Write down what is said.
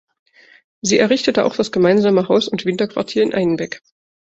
Sie errichtete auch das gemeinsame Haus und Winterquartier in Einbeck.